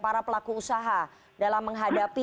para pelaku usaha dalam menghadapi